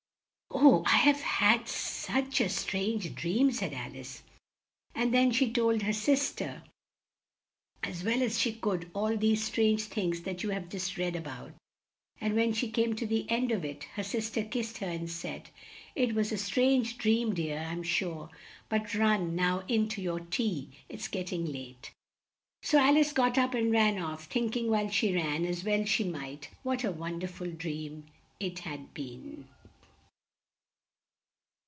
"Oh, I've had such a strange dream!" said Al ice, and then she told her sis ter as well as she could all these strange things that you have just read a bout; and when she came to the end of it, her sis ter kissed her and said: "It was a strange dream, dear, I'm sure; but run now in to your tea; it's get ting late." So Al ice got up and ran off, think ing while she ran, as well she might, what a won der ful dream it had been.